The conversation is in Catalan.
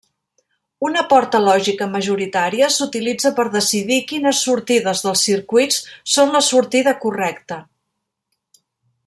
Una porta lògica majoritària s'utilitza per decidir quines sortides dels circuits són la sortida correcta.